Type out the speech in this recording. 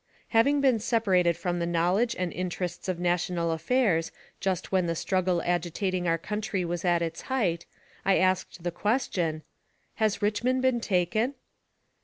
Having been separated from the knowledge and interests of national affairs just when the struggle agitating our country was at its height, I asked the question :" Has Richmond been taken